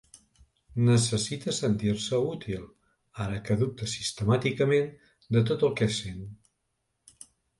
Necessita sentir-se útil, ara que dubta sistemàticament de tot el que sent.